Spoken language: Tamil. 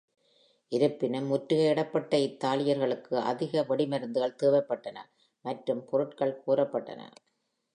இருப்பினும், முற்றுகையிடப்பட்ட இத்தாலியர்களுக்கு அதிக வெடிமருந்துகள் தேவைப்பட்டன மற்றும் பொருட்கள் கோரப்பட்டன.